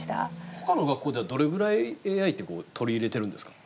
他の学校ではどれぐらいＡＩって取り入れてるんですか？